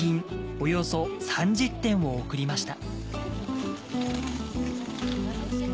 およそ３０点を贈りました